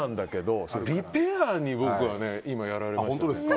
リペアにやられました。